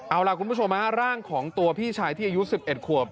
เอาล่ะคุณผู้ชมฮะร่างของตัวพี่ชายที่อายุ๑๑ขวบ